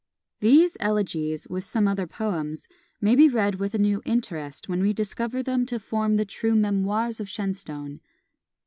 These Elegies, with some other poems, may be read with a new interest when we discover them to form the true Memoirs of Shenstone.